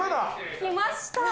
来ました。